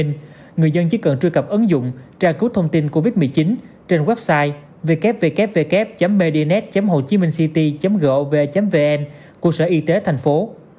người dân chỉ cần truy cập ứng dụng trả cứu thông tin covid một mươi chín trên website www medinet hcct gov vn của sở y tế tp hcm